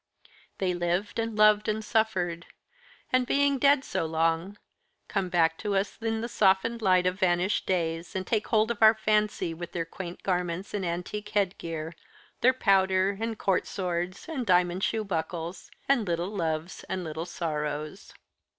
They lived, and loved, and suffered; and, being dead so long, come back to us in the softened light of vanished days, and take hold of our fancy with their quaint garments and antique head gear, their powder, and court swords, and diamond shoe buckles, and little loves and little sorrows.